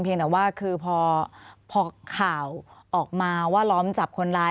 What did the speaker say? แต่ว่าคือพอข่าวออกมาว่าล้อมจับคนร้าย